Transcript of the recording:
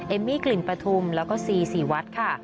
เอมมี่กลิ่นประทุมแล้วก็ซีสีวัดค่ะ